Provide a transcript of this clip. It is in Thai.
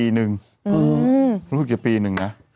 หนูปี๑นะ